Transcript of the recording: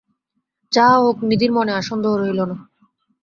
যাহা হউক, নিধির মনে আর সন্দেহ রহিল না।